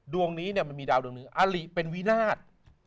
ดวงนี้มันมีดาวนึงอาริเป็นวินาท